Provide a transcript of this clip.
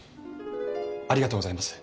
ありがとうございます。